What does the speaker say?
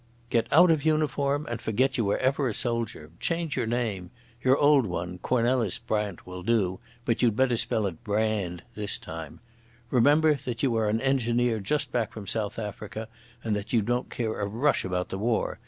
"Get out of uniform and forget you ever were a soldier. Change your name. Your old one, Cornelis Brandt, will do, but you'd better spell it 'Brand' this time. Remember that you are an engineer just back from South Africa, and that you don't care a rush about the war.